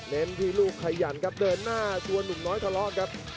ที่ลูกขยันครับเดินหน้าชวนหนุ่มน้อยทะเลาะครับ